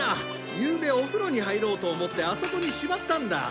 ゆうべお風呂に入ろうと思ってあそこにしまったんだ。